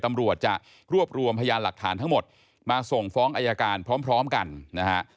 ตำรวจจะรวบรวมพยานหลักฐานทั้งหมดมาส่งฟ้องอายการพร้อมกันนะฮะ